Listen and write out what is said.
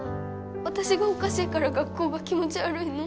私がおかしいから学校が気持ち悪いの？